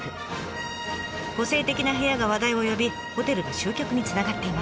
個性的な部屋が話題を呼びホテルの集客につながっています。